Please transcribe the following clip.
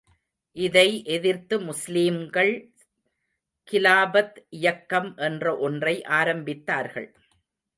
இதை எதிர்த்து முஸ்லீம்கள் கிலாபத் இயக்கம் என்ற ஒன்றை ஆரம்பித்தார்கள்.